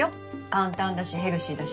簡単だしヘルシーだし。